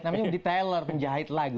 namanya detailer penjahit lagu